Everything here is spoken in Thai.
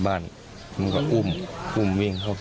ร้านของรัก